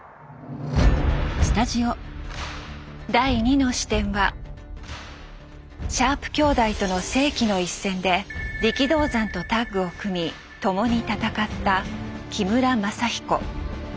第２の視点はシャープ兄弟との世紀の一戦で力道山とタッグを組み共に戦った木村政彦。